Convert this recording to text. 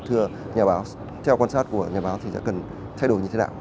theo quan sát của nhà báo thì sẽ cần thay đổi như thế nào